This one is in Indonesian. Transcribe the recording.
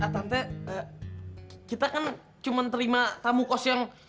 tante kita kan cuma terima tamu kos yang